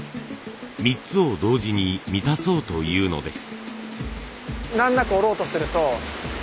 ３つを同時に満たそうというのです。